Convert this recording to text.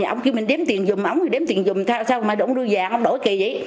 ông kêu mình đếm tiền dùm ông kêu mình đếm tiền dùm sao mà ông đưa vàng ông đổi kỳ vậy